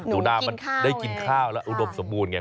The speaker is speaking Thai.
หนูนามันได้กินข้าวแล้วอุดมสมบูรณไง